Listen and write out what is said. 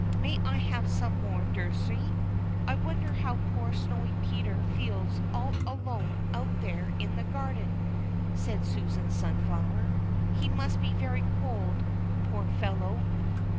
May I have some more, Nursey?" "I Avonder hoAv poor Snowy Peter feels all alone out there in the garden," said Susan Sunflower. " He must be very cold, poor fellow."